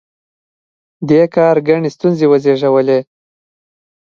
دې کار ګڼې ستونزې وزېږولې.